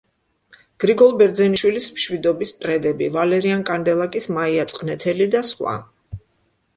გრიგოლ ბერძენიშვილის „მშვიდობის მტრედები“, ვალერიან კანდელაკის „მაია წყნეთელი“ და სხვა.